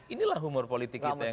inilah humor politik kita yang